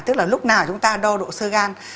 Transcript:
tức là lúc nào chúng ta đo độ sơ gan